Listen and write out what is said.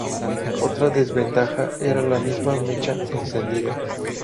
Otra desventaja era la misma mecha encendida.